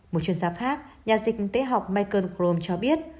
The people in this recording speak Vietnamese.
một chuyên gia khác nhà dịch tế học michael crome cho biết